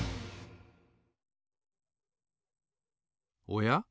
おや？